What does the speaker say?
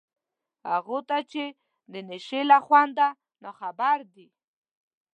هغو ته چي د نشې له خونده ناخبر دي